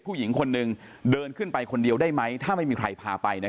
ผู้หญิงคนหนึ่งเดินขึ้นไปคนเดียวได้ไหมถ้าไม่มีใครพาไป